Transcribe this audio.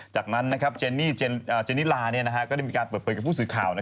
จากนั้นเจนิลาก็ได้มีการเปิดเผยกับผู้สื่อข่าว